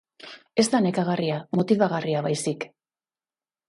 Ez da nekagarria, motibagarria baizik.